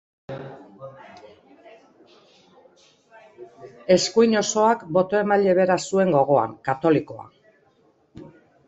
Eskuin osoak boto-emaile bera zuen gogoan, katolikoa.